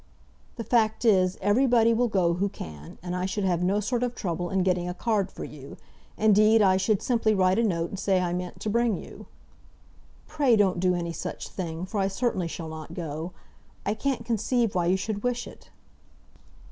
"The fact is, everybody will go who can, and I should have no sort of trouble in getting a card for you. Indeed I should simply write a note and say I meant to bring you." "Pray don't do any such thing, for I certainly shall not go. I can't conceive why you should wish it."